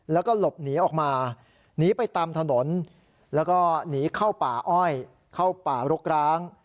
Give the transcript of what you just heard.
แล้วก็หลบหนีออกมาหนีไปตามถนนแล้วก็หนีเข้าป่าอ้อยเข้าป่ารกร้าง